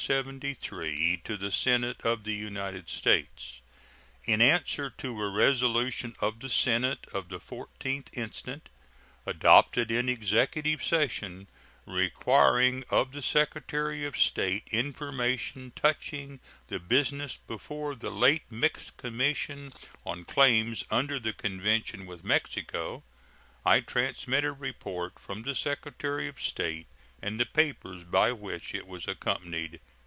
To the Senate of the United States: In answer to a resolution of the Senate of the 14th instant, adopted in executive session, requiring of the Secretary of State information touching the business before the late mixed commission on claims under the convention with Mexico, I transmit a report from the Secretary of State and the papers by which it was accompanied.